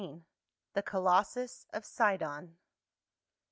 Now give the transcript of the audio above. THE COLOSSUS OF SI DON.